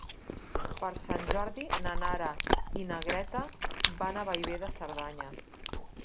Per Sant Jordi na Nara i na Greta van a Bellver de Cerdanya.